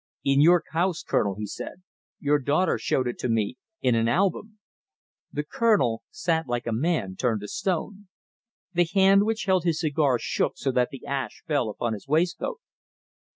"In your house, Colonel," he said. "Your daughter showed it to me in an album!" The Colonel sat like a man turned to stone. The hand which held his cigar shook so that the ash fell upon his waistcoat.